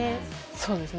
そうですね。